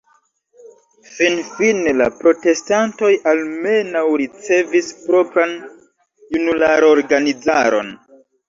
Finfine la protestantoj almenaŭ ricevis propran junularorganizaron.